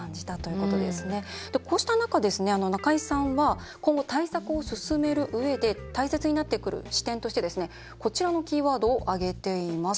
こうした中で、中井さんは今後、対策を進めるうえで大切になってくる視点としてこちらのキーワードを挙げています。